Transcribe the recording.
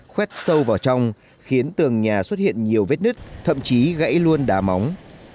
khoét sâu vào trong khiến tường nhà xuất hiện nhiều vết nứt thậm chí gãy luôn đá móng